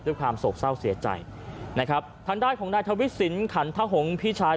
ด้วยความโศกเศร้าเสียใจนะครับทันได้ของนายทวิสินขันทะหงพี่ชาย